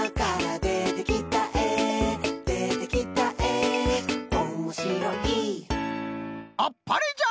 「でてきたえおもしろい」あっぱれじゃ！